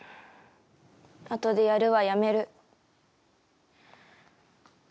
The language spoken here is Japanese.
あとでやるは、やめる。